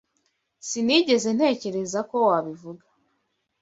Sinigeze ntekereza ko wabivuga.